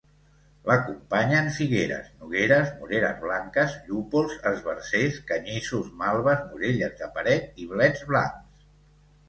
L'acompanyen figueres, nogueres, moreres blanques, llúpols, esbarzers, canyissos, malves, morelles de paret i blets blancs.